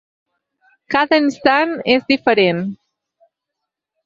Cada instant és diferent.